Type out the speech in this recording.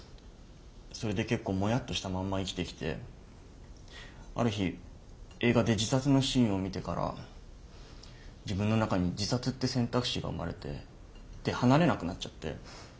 それで結構モヤッとしたまんま生きてきてある日映画で自殺のシーンを見てから自分の中に自殺って選択肢が生まれてで離れなくなっちゃって。